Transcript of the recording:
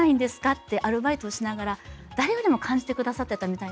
ってアルバイトをしながら誰よりも感じてくださってたみたいなんですね。